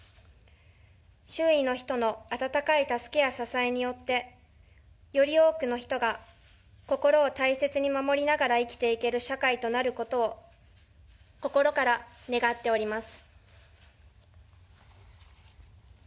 周囲の人の温かい助けや支えによって、より多くの人が心を大切に守りながら生きていける社会となることを、心から願っております。